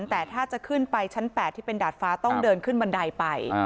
แต่ถ้าจะขึ้นไปชั้น๘ที่เป็นดาดฟ้าต้องเดินขึ้นบันไดไป